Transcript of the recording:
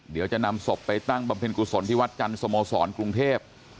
เดี๋ยวจะนำศพไปตั้งบำเพ็ญกุศลที่วัดจันทร์สโมสรกรุงเทพ